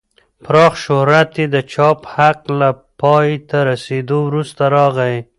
پراخ شهرت یې د چاپ حق له پای ته رسېدو وروسته راغی.